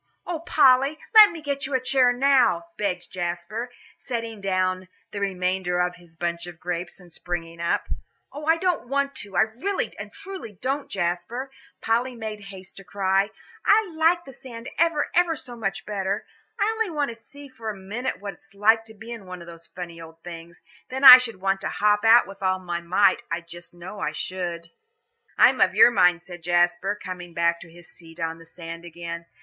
"Oh, Polly, let me get you a chair now," begged Jasper, setting down the remainder of his bunch of grapes, and springing up. "Oh, I don't want to, I really and truly don't, Jasper," Polly made haste to cry. "I like the sand ever and ever so much better. I only want to see for a minute what it's like to be in one of those funny old things. Then I should want to hop out with all my might, I just know I should." "I'm of your mind," said Jasper, coming back to his seat on the sand again.